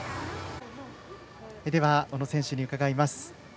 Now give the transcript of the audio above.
小野選手に伺います。